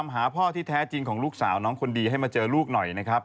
หาพ่อที่แท้จริงของลูกสาวน้องคนดีให้มาเจอลูกหน่อยนะครับ